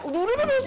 udah udah udah